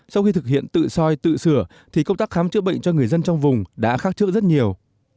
sau khi thực hiện tự soi tự sửa thì công tác khám chữa bệnh cho người dân trong vùng đã khác trước rất nhiều